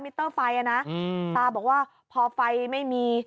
เตอร์ไฟอ่ะนะตาบอกว่าพอไฟไม่มี